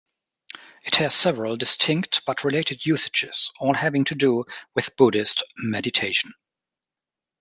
It has several distinct but related usages, all having to do with Buddhist meditation.